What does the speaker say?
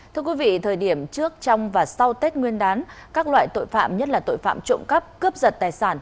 thưa quý vị thời điểm trước trong và sau tết nguyên đán các loại tội phạm nhất là tội phạm trộm cắp cướp giật tài sản